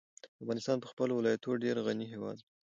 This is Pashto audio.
افغانستان په خپلو ولایتونو ډېر غني هېواد دی.